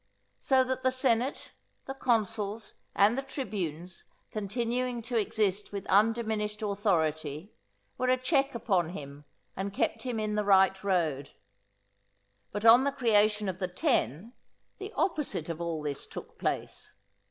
So that the senate, the consuls, and the tribunes continuing to exist with undiminished authority were a check upon him and kept him in the right road. But on the creation of the Ten, the opposite of all this took place.